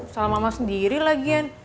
salah mama sendiri lagian